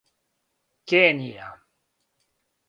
Кенија